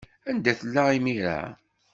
Anda tella imir-a?